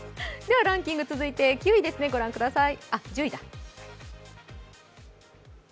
ランキング、続いて１０位をご覧ください。